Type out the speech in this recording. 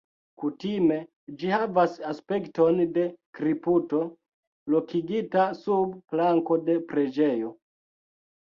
Kutime ĝi havas aspekton de kripto lokigita sub planko de preĝejo.